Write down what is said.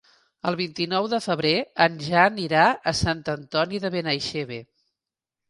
El vint-i-nou de febrer en Jan irà a Sant Antoni de Benaixeve.